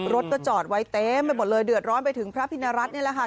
รถก็จอดไว้เต็มไปหมดเลยเดือดร้อนไปถึงพระพินรัฐนี่แหละค่ะ